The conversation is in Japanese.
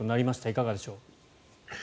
いかがでしょう。